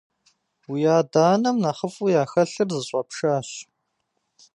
Уи адэ-анэм нэхъыфӀу яхэлъыр зыщӀэпшащ.